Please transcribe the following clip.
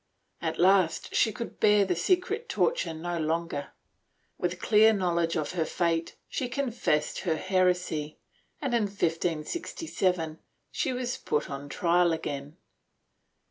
At last she could bear the secret torture no longer ; with clear knowledge of her fate, she con fessed her heresy and, in 1567, she was put on trial again.